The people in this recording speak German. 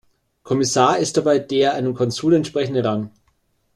Kommissar ist dabei der einem Konsul entsprechende Rang.